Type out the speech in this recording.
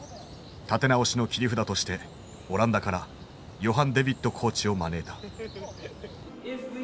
立て直しの切り札としてオランダからヨハン・デ・ヴィットコーチを招いた。